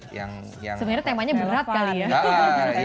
sebenarnya temanya berat kali ya